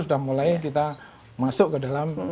sudah mulai kita masuk ke dalam